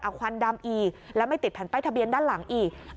เอาควันดำอีกแล้วไม่ติดแผ่นป้ายทะเบียนด้านหลังอีก